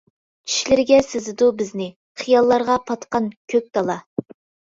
چۈشلىرىگە سىزىدۇ بىزنى، خىياللارغا پاتقان كۆك دالا.